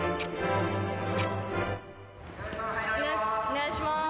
お願いします。